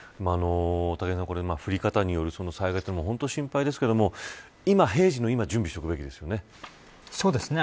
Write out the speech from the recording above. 武井さん、降り方による災害も心配ですけれども今、平時の準備をしておくべきですよね。